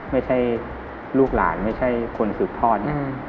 ไม่ใช่ลูกหลานไม่ใช่คนกรึปทอด